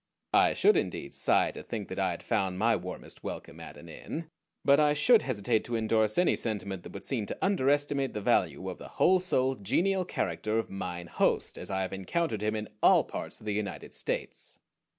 I should indeed sigh to think that I had found my warmest welcome at an inn; but I should hesitate to indorse any sentiment that would seem to underestimate the value of the whole souled, genial character of Mine Host, as I have encountered him in all parts of the United States.